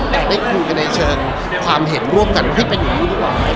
แต่ได้คุยกันในเชิงความเห็นร่วมกันว่าเป็นอย่างนี้หรือเปล่า